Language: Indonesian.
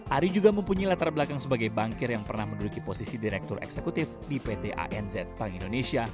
ari juga mempunyai latar belakang sebagai bankir yang pernah menduduki posisi direktur eksekutif di pt anz bank indonesia